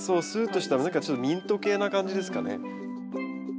スーッとしたちょっとミント系な感じですかね。